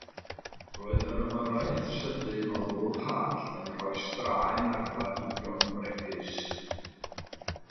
Roedd yr ymyrraeth sydyn o ddŵr hallt yn rhoi straen ar blanhigion bregus.